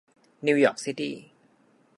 นิวยอร์คซิตี้